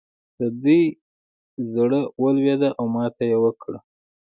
د دوی زړه ولوېد او ماته یې وکړه.